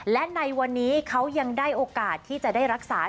และในวันนี้เขายังได้โอกาสที่จะได้รักษา